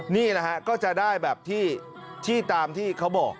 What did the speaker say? นี่นะฮะก็จะได้แบบที่ตามที่เขาบอก